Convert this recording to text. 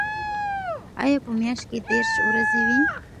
آیا په میاشت کې دېرش ورځې وي؟